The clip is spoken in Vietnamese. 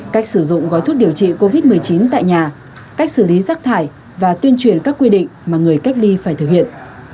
cách sử dụng gói thuốc điều trị covid một mươi chín tại nhà cách xử lý rác thải và tuyên truyền các quy định mà người cách ly phải thực hiện